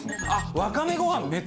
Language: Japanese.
あっ「わかめごはん」